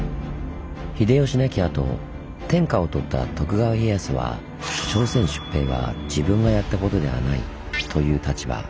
秀吉亡きあと天下をとった徳川家康は「朝鮮出兵は自分がやったことではない」という立場。